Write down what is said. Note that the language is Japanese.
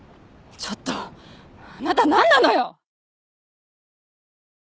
ちょっとあなた何なのよ！